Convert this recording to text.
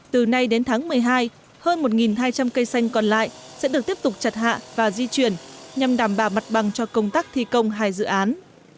từ nay đến tháng một mươi hai hơn một hai trăm linh cây xanh còn lại sẽ được tiếp tục chặt hạ và di chuyển nhằm đảm bảo mặt bằng cho công tác thi công hai dự án